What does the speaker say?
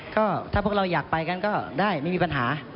ก็ถ้าพวกเราอยากไปกันก็ได้ไม่มีปัญหา